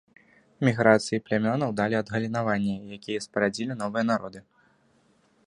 Міграцыі плямёнаў далі адгалінаванні, якія спарадзілі новыя народы.